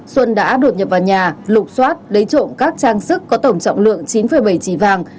xuân đã đột nhập vào nhà lục xoát lấy trộm các trang sức có tổng trọng lượng chín bảy chỉ vàng